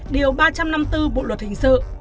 điều ba trăm năm mươi bốn bộ luật hình sự